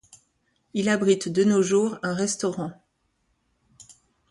Il abrite de nos jours un restaurant.